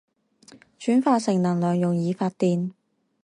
轉化成能量用以發電